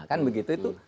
kan begitu itu